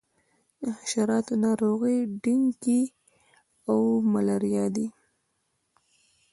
د حشراتو ناروغۍ ډینګي او ملیریا دي.